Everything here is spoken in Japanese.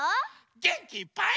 げんきいっぱい。